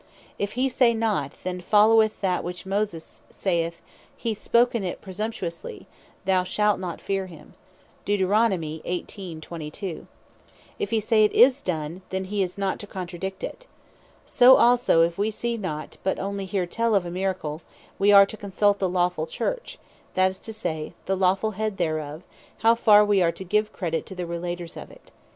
If he say not, then followeth that which Moses saith, (Deut. 18. 22.) "he hath spoken it presumptuously, thou shalt not fear him." If he say 'tis done, then he is not to contradict it. So also if wee see not, but onely hear tell of a Miracle, we are to consult the Lawful Church; that is to say, the lawful Head thereof, how far we are to give credit to the relators of it.